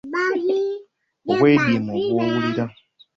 Obwediimo bw’owulira.